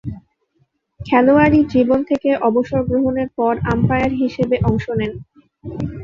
খেলোয়াড়ী জীবন থেকে অবসর গ্রহণের পর আম্পায়ার হিসেবে অংশ নেন।